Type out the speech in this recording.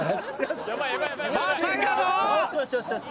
まさかの。